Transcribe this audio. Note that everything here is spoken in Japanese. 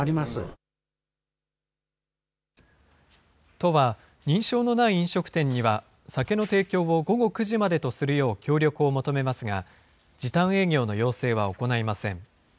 都は、認証のない飲食店には、酒の提供を午後９時までとするよう協力を求めますが、時短営業の要請は行いません。